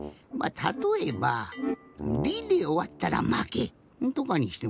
たとえば「り」でおわったらまけとかにしてもいいんじゃない？